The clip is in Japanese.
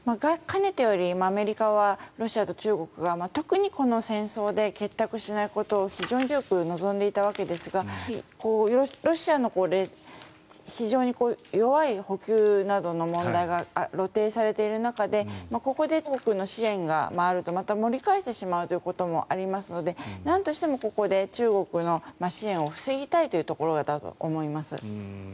かねてよりアメリカはロシアと中国が特にこの戦争で結託しないことを非常に強く望んでいたわけですがロシアの弱い補給などの問題が露呈されている中でここで中国の支援があるとまた盛り返してしまうということもありますのでなんとしてもここで中国の支援を防ぎたいというところだと思います。